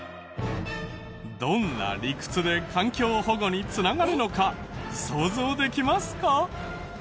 どんな理屈で環境保護に繋がるのか想像できますか？